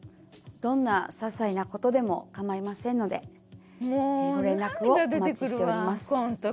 どんな些細な事でも構いませんのでご連絡をお待ちしております。